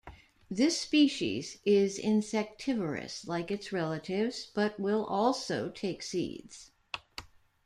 This species is insectivorous, like its relatives, but will also take seeds.